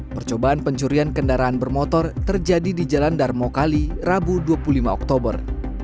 percobaan pencurian kendaraan bermotor terjadi di jalan darmo kali rabu dua puluh lima oktober